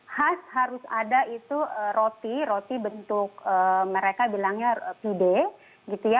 khas harus ada itu roti roti bentuk mereka bilangnya pide gitu ya